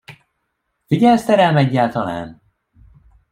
Figyelsz te rám egyáltalán?